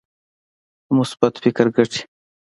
د مثبت فکر ګټې.